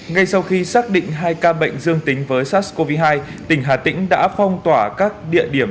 ngay sau khi xác định hai ca bệnh dương tính với sars cov hai tỉnh hà tĩnh đã phong tỏa các địa điểm